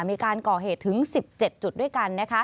มีการก่อเหตุถึง๑๗จุดด้วยกัน